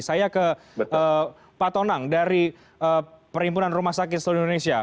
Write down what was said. saya ke pak tonang dari perhimpunan rumah sakit seluruh indonesia